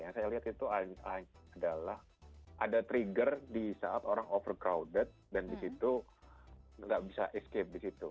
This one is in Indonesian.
yang saya lihat itu adalah ada trigger di saat orang overcrowded dan di situ nggak bisa escape di situ